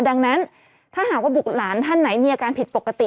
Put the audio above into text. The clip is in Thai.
ดังนั้นถ้าหากว่าบุตรหลานท่านไหนมีอาการผิดปกติ